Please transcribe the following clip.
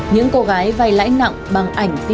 những cô gái vay lãi nặng bằng ảnh clip này